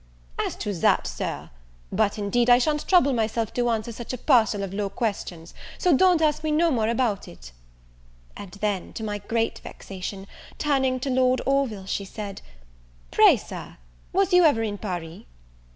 "As to that, Sir but indeed I shan't trouble myself to answer such a parcel of low questions, so don't ask me no more about it." And then, to my great vexation, turning to Lord Orville, she said, "Pray, Sir, was you ever in Paris?"